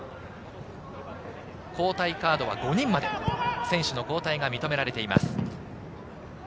交代カードは５人まで選手の交代が認められています。